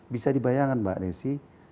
bisa dibayangkan mbak nesi